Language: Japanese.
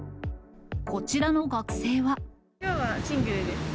きょうはシングルです。